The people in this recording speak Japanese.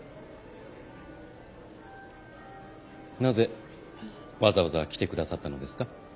なぜわざわざ来てくださったのですか？